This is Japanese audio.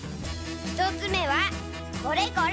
ひとつめはこれこれ！